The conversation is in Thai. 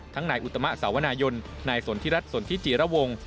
ทั้งนายอุตมะสาวนายนนายสนธิรัตน์สนธิจิระวง